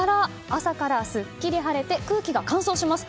朝からすっきり晴れて空気が乾燥します。